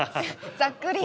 ざっくり。